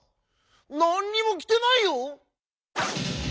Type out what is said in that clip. なんにもきてないよ！」。